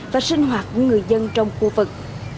và sinh hoạt của người dân trong khu vực